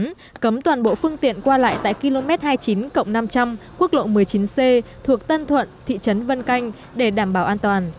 công an cấm toàn bộ phương tiện qua lại tại km hai mươi chín cộng năm trăm linh quốc lộ một mươi chín c thuộc tân thuận thị trấn vân canh để đảm bảo an toàn